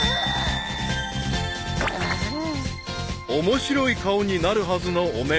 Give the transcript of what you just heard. ［面白い顔になるはずのお面］